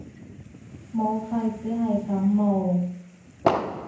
武肺只係感冒